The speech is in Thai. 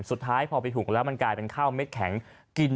สุดท้ายพอไปถูกแล้วมันกลายเป็นข้าวเม็ดแข็งกิน